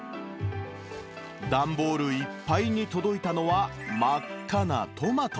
段ボールいっぱいに届いたのは、真っ赤なトマト。